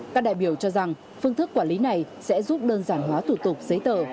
các đại biểu cho rằng phương thức quản lý này sẽ giúp đơn giản hóa thủ tục giấy tờ